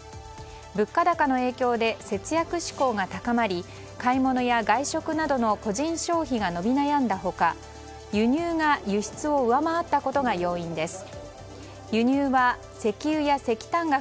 物価高の影響で節約志向が高まり買い物や外食などの個人消費が伸び悩んだ他、輸入が輸出を上回ったことが要因です。